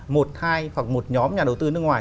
một hai hoặc một nhóm nhà đầu tư nước ngoài